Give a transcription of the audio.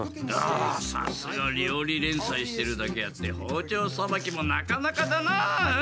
あさすが料理連載してるだけあって包丁さばきもなかなかだな。